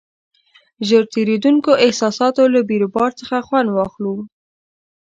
ژر تېرېدونکو احساساتو له بیروبار څخه خوند واخلو.